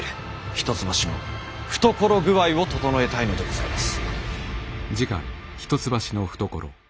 一橋の懐具合をととのえたいのでございます。